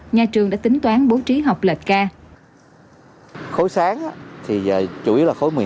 nhà trường đã tính toán bố trí học lệch ca